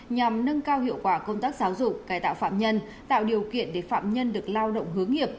nhằm nâng cao hiệu quả công tác giáo dục cài tạo phạm nhân tạo điều kiện để phạm nhân được lao động hướng nghiệp